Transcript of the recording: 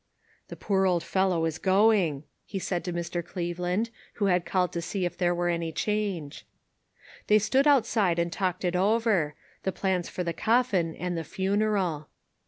" The poor fellow is going," he said to Mr. Cleveland, who had called to see if there were any change. They stood outside and talked it over. The plans for the coffin and the funeral.